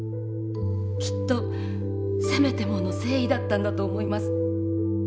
きっとせめてもの誠意だったんだと思います。